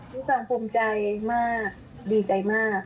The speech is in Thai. นิสังภูมิใจมากดีใจมาก